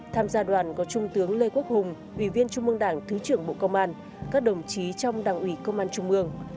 tham gia đoàn có trung tướng lê quốc hùng ủy viên trung mương đảng thứ trưởng bộ công an các đồng chí trong đảng ủy công an trung mương